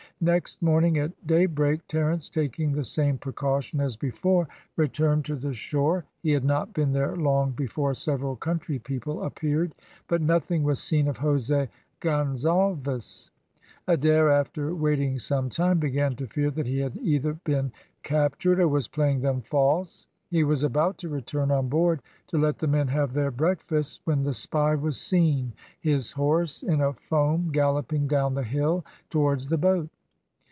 Next morning at daybreak, Terence taking the same precaution as before, returned to the shore. He had not been there long before several country people appeared, but nothing was seen of Jose Gonzalves. Adair, after waiting some time, began to fear that he had either been captured, or was playing them false. He was about to return on board, to let the men have their breakfasts, when the spy was seen, his horse, in a foam, galloping down the hill towards the boat.